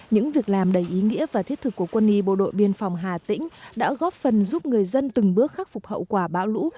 những việc làm đầy ý nghĩa và thiết thực của quân y bộ đội biên phòng hà tĩnh đã góp phần giúp người dân từng bước khắc phục hậu quả bão lũ